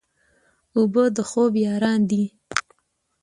اوبه د خوب یاران دي.